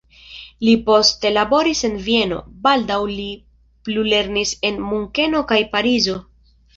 Li poste laboris en Vieno, baldaŭ li plulernis en Munkeno kaj Parizo.